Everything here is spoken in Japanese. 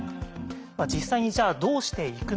実際にじゃあどうしていくのか。